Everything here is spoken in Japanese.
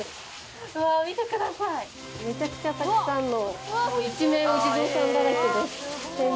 めちゃくちゃたくさんの。